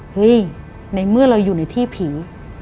เฮ้ยในเมื่อเราอยู่ในที่ผี